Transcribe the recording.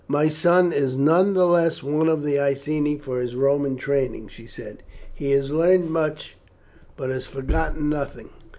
"My son is none the less one of the Iceni for his Roman training," she said; "he has learned much, but has forgotten nothing.